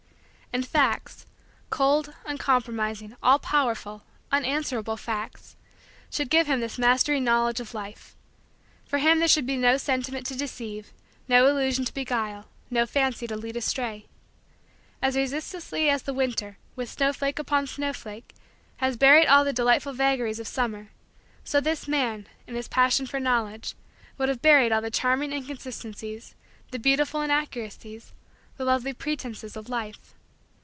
And facts cold, uncompromising, all powerful, unanswerable facts should give him this mastering knowledge of Life. For him there should be no sentiment to deceive, no illusion to beguile, no fancy to lead astray. As resistlessly as the winter, with snowflake upon snowflake, had buried all the delightful vagaries of summer, so this man, in his passion for Knowledge, would have buried all the charming inconsistencies, the beautiful inaccuracies, the lovely pretenses of Life.